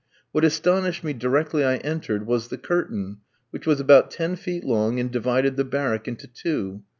What astonished me directly I entered, was the curtain, which was about ten feet long, and divided the barrack into two.